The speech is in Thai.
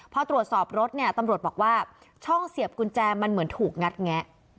พอตรวจสอบรถเนี่ยตำรวจบอกว่าช่องเสียบกุญแจมันเหมือนถูกงัดแงะ